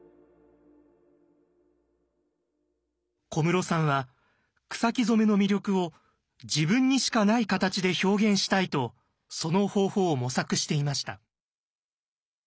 小室さんは草木染めの魅力を自分にしかない形で表現したいとその方法を模索していました。